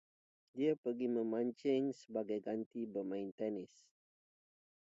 Dia pergi memancing sebagai ganti bermain tenis.